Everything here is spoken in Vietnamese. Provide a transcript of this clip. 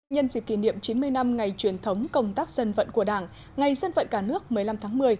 nhân dịp kỷ niệm chín mươi năm ngày truyền thống công tác dân vận của đảng ngày dân vận cả nước một mươi năm tháng một mươi